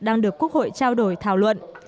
đang được quốc hội trao đổi thảo luận